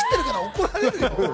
怒られるよ。